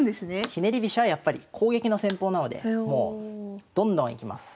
ひねり飛車はやっぱり攻撃の戦法なのでもうどんどんいきます。